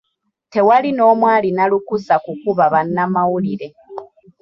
Tewali n'omu alina lukusa kukuba bannamawulire.